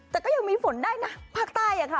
แต่ก็ยังมีฝนได้นะภาคใต้อะค่ะ